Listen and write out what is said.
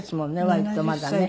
割とまだね。